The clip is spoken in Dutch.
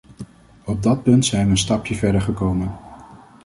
Op dat punt zijn we een stapje verder gekomen.